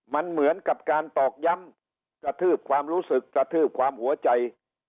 มันเหมือนกับการตอกย้ำกระทืบความรู้สึกกระทืบความหัวใจ